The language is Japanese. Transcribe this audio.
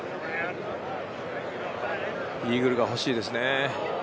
イーグルが欲しいですね。